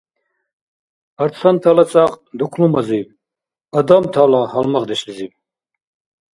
Арцантала цӀакь — дуклумазиб, адамтала — гьалмагъдешлизиб.